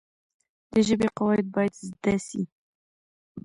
د ژبي قواعد باید زده سي.